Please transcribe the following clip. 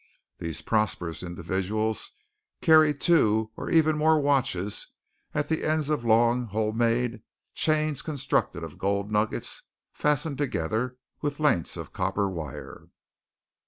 These prosperous individuals carried two or even more watches at the ends of long home made chains constructed of gold nuggets fastened together with lengths of copper wire.